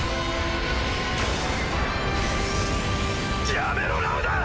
やめろラウダ！